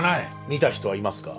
見た人はいますか？